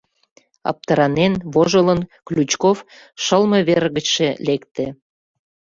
Аптыранен, вожылын Ключков шылме вер гычше лекте.